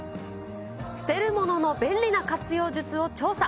捨てるものの便利な活用術を調査。